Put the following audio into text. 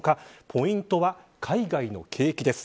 ポイントは海外の景気です。